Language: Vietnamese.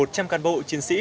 một trăm linh cán bộ chiến sĩ